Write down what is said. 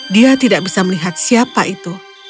dia tidak bisa melihat siapa itu